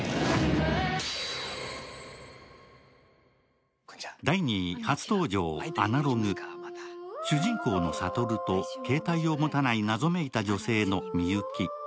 「十勝のむヨーグルト」主人公の悟と携帯を持たない謎めいた女性のみゆき。